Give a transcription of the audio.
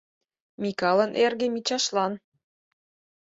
Микалын эрге Мичашлан.